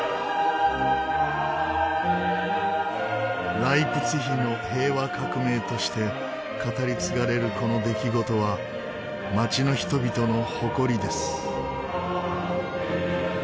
ライプツィヒの平和革命として語り継がれるこの出来事は街の人々の誇りです。